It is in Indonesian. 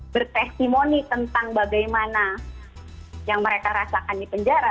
bertestimoni tentang bagaimana yang mereka rasakan di penjara